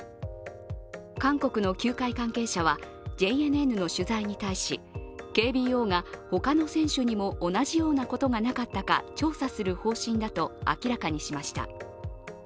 韓国の球界関係者はＪＮＮの取材に対しＫＢＯがほかの選手にも同じようなことがなかったか調査する方針だと明らかにしました。